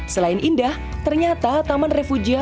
selain indah ternyata taman refugia